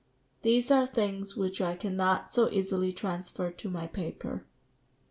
these are things which I cannot so easily transfer to my paper." 1819.